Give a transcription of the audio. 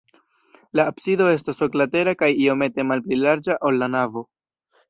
La absido estas oklatera kaj iomete malpli larĝa, ol la navo.